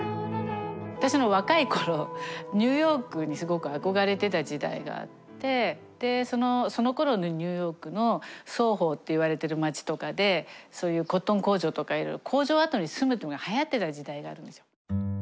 私が若い頃ニューヨークにすごく憧れてた時代があってそのころのニューヨークのソーホーっていわれてる街とかでそういうコットン工場とかいろいろ工場跡に住むのがはやってた時代があるんですよ。